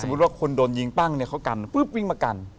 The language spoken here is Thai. สมมุติว่าคนโดนยิงปั้งเขากันปึ๊บวิ่งมากัน